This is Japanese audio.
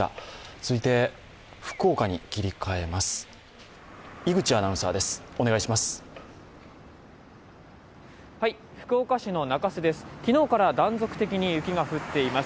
続いて福岡に切り替えます。